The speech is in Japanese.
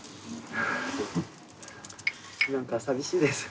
なんか寂しいですね。